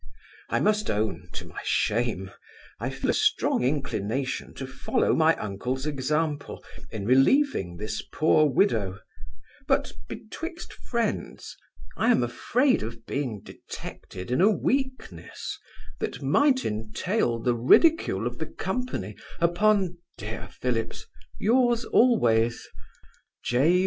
I must own, to my shame, I feel a strong inclination to follow my uncle's example, in relieving this poor widow; but, betwixt friends, I am afraid of being detected in a weakness, that might entail the ridicule of the company, upon, Dear Phillips, Yours always, J.